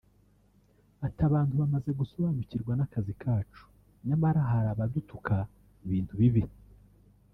Ati “Abantu bamaze gusobanukirwa n’akazi kacu nyamara hari abadutuka ibintu bibi